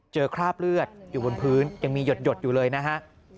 คราบเลือดอยู่บนพื้นยังมีหยดอยู่เลยนะฮะ